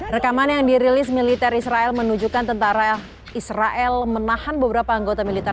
rekaman yang dirilis militer israel menunjukkan tentara israel menahan beberapa anggota militer